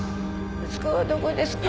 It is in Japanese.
息子はどこですか？